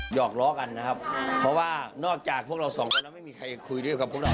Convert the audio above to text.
อกล้อกันนะครับเพราะว่านอกจากพวกเราสองคนแล้วไม่มีใครคุยด้วยกับพวกเรา